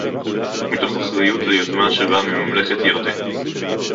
מתוך אחריות, ליוזמה שבאה מממלכת ירדן